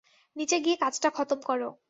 নিচে গিয়ে কাজটা খতম করো।